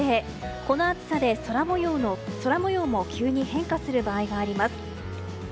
この暑さで空模様も急に変化する場合があります。